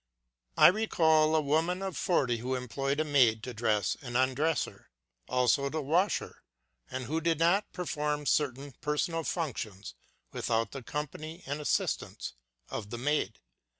I recall a woman of forty who employed a maid to dress and undress her, also to wash her, and who did not perform certain personal functions without the company and assistance of the maid.